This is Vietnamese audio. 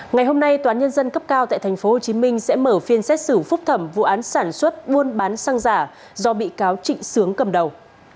ngày hôm nay toán nhân dân cấp cao tại tp hcm sẽ mở phiên xét xử phúc thẩm vụ án sản xuất buôn bán xăng giả do bị cáo trịnh sướng cầm đầu